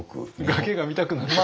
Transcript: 崖が見たくなった？